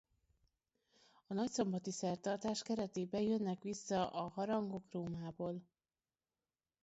A nagyszombati szertartás keretében jönnek vissza a harangok Rómából.